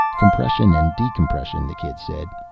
"Compression and decompression," the kid said.